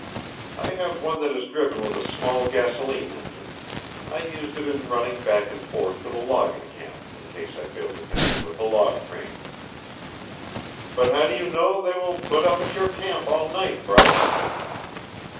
I have one that is driven with a small gasolene engine I use it in running back and forth to the logging camp in case I fail to connect with a log train." "But how do you know they will put up at your camp all night, Bryce?"